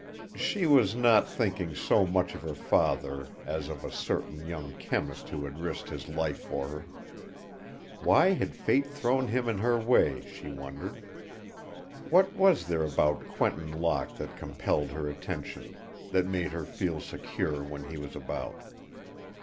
She was not thinking so much of her father as of a certain young chemist who had risked his life for her. Why had fate thrown him in her way, she wondered. What was there about Quentin Locke that compelled her attention that made her feel secure when he was about?